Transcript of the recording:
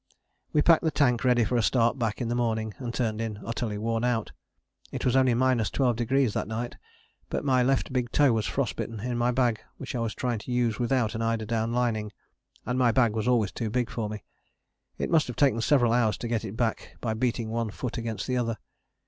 We packed the tank ready for a start back in the morning and turned in, utterly worn out. It was only 12° that night, but my left big toe was frost bitten in my bag which I was trying to use without an eider down lining, and my bag was always too big for me. It must have taken several hours to get it back, by beating one foot against the other.